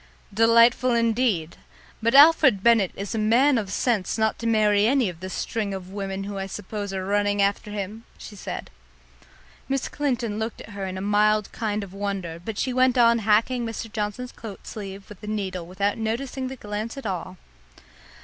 "Delightful indeed! But Alfred Bennett is a man of sense not to marry any of the string of women who I suppose are running after him!" she said. Miss Clinton looked at her in a mild kind of wonder, but she went on hacking Mr. Johnson's coat sleeve with the needle without noticing the glance at all.